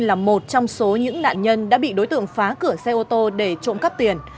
là một trong số những nạn nhân đã bị đối tượng phá cửa xe ô tô để trộm cắp tiền